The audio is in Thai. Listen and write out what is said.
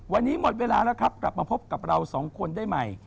วันนี้หมดเวลาแล้วครับกลับมาพบกับเราสองคนได้ใหม่